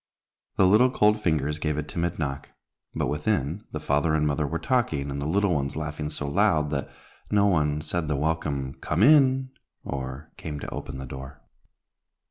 The little cold fingers gave a timid knock, but, within, the father and mother were talking, and the little ones laughing so loud, that no one said the welcome "Come in," or came to open the door.